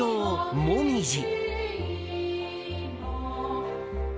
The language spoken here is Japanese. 「もみじ」。